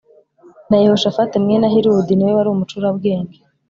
na Yehoshafati mwene Ahiludi ni we wari umucurabwenge.